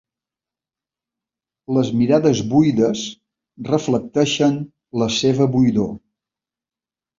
Les mirades buides reflecteixen la seva buidor.